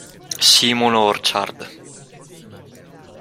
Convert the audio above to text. Simon Orchard